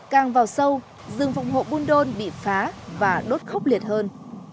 càng vào sâu rừng phòng hộ buôn đôn bị phá và đốt khốc liệt hơn